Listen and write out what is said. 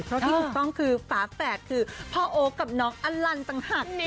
เพราะที่ถูกต้องคือฝาแฝดคือพ่อโอ๊คกับน้องอลันต่างหาก